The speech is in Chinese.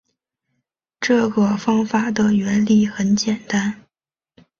这个方法的原理很简单